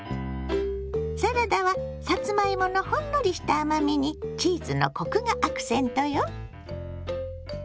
サラダはさつまいものほんのりした甘みにチーズのコクがアクセントよ。